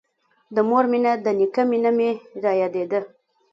د مور مينه د نيکه مينه مې رايادېده.